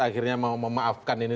akhirnya mau memaafkan ini